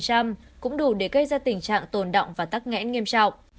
cũng đủ để gây ra tình trạng tồn động và tắc nghẽn nghiêm trọng